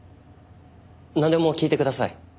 なんでも聞いてください。